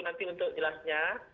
nanti untuk jelasnya